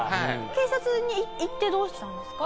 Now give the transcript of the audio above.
警察に行ってどうしたんですか？